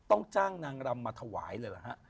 ต้องจ้างนางรำมาถวายเลยเหรอฮะ